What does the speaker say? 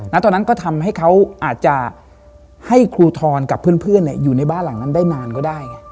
แล้วตอนนั้นก็ทำให้เขาอาจจะให้ครูทรกับเพื่อนอยู่ในบ้านหลังนั้นได้นานก็ได้ไง